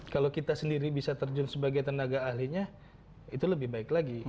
kalau kita sendiri bisa terjun sebagai tenaga ahlinya itu lebih baik lagi